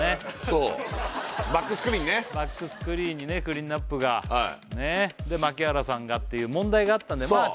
そうバックスクリーンねバックスクリーンにねクリーンアップがねっで槙原さんがっていう問題があったんでまあ